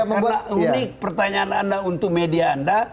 karena unik pertanyaan anda untuk media anda